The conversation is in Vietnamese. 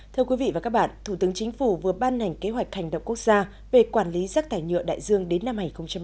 thưa quý vị và các bạn thủ tướng chính phủ vừa ban hành kế hoạch hành động quốc gia về quản lý rác thải nhựa đại dương đến năm hai nghìn ba mươi